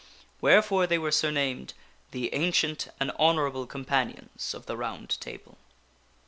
Wherefore they were surnamed " The Ancient and Honorable Companions of the Round Table."